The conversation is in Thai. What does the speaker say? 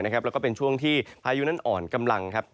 แล้วก็เป็นช่วงที่พายุนั้นอ่อนกำลังครับ